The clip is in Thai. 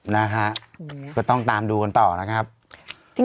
นะคะต้องตามดูกันต่อ